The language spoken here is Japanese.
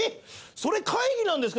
それ会議なんですか？